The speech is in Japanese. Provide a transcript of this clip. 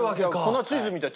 粉チーズみたい。